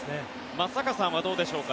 松坂さんはどうでしょうか。